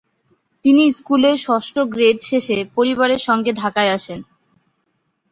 তিনি স্কুলে ষষ্ঠ গ্রেড শেষে পরিবারের সঙ্গে ঢাকায় আসেন।